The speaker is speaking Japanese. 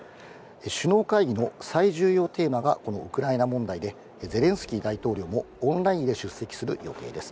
首脳会議の最重要テーマがこのウクライナ問題で、ゼレンスキー大統領もオンラインで出席する予定です。